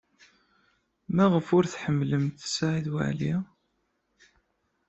Maɣef ur tḥemmlemt Saɛid Waɛli?